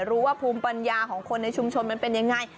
รู้ว่าภูมิปัญญาของคนในชุมชนมันเป็นยังไง